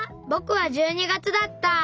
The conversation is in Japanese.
ぼくは１２月だった！